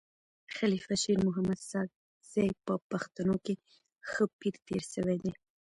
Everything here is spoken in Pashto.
خلیفه شیرمحمد ساکزی په پښتنو کي ښه پير تير سوی دی.